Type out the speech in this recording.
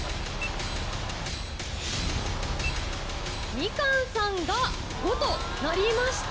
みかんさんが５となりました。